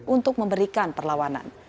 untuk memberikan perlawanan